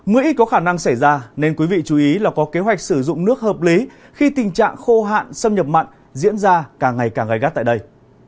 mưa ít có khả năng xảy ra nên quý vị chú ý là có kế hoạch sử dụng nước hợp lý khi tình trạng khô hạn xâm nhập mặn diễn ra càng ngày càng gai gắt tại đây